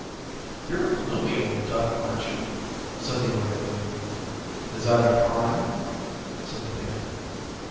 "You're a gloomy old duck, aren't you?" said the orderly. "Is that a crime?" said the painter.